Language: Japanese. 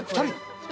◆２人。